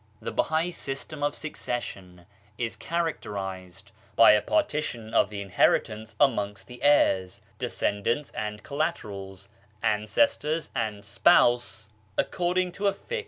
The Bahai system of succession is characterised by a partition of the inheritance amongst the heirs, descendants and collaterals, an cestors and spouse, according to a fixed 1 Baha'ullSh.